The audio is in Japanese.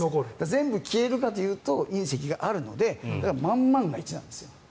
全部消えるかというと隕石があるので万万が一なんですよ。